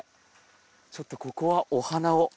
ちょっとここはお花を。